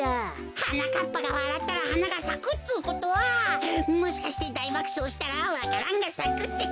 はなかっぱがわらったらはながさくっつうことはもしかしてだいばくしょうしたらわか蘭がさくってか。